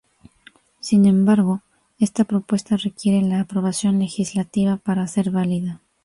Sin embargo, esta propuesta requiere la aprobación legislativa para ser válida.